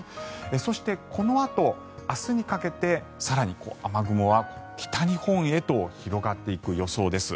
そして、このあと明日にかけて更に雨雲は北日本へと広がっていく予想です。